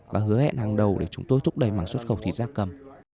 và hứa hẹn hàng đầu để chúng tôi thúc đẩy mảng xuất khẩu thịt da cầm